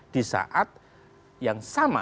disaat yang sama